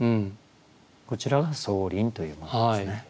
こちらが「相輪」というものですね。